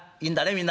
みんな。